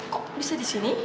kok bisa disini